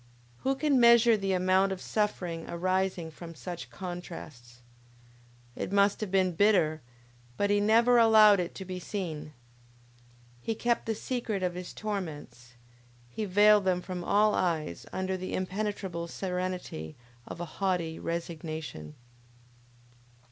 Who can measure the amount of suffering arising from such contrasts? It must have been bitter, but he never allowed it to be seen! He kept the secret of his torments, he veiled them from all eyes under the impenetrable serenity of a haughty resignation.